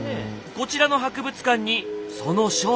こちらの博物館にその正体が。